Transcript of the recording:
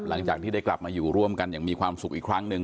หลังจากที่ได้กลับมาอยู่ร่วมกันอย่างมีความสุขอีกครั้งหนึ่ง